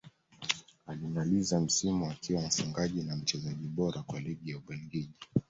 Alimaliza msimu akiwa mfungaji na mchezaji bora wa ligi ya ubelgiji